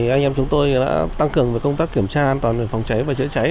anh em chúng tôi đã tăng cường công tác kiểm tra an toàn về phòng cháy và chữa cháy